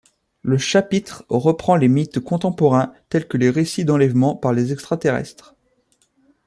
Le chapitre reprend les mythes contemporains tels que les récits d'enlèvement par les extraterrestres.